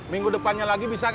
minggu depannya lagi bisa